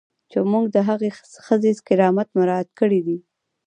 چې موږ د هغې ښځې کرامت مراعات کړی دی.